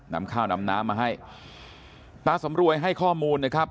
นำข้าวนำน้ำมาให้ตาสำรวยให้ข้อมูลนะครับ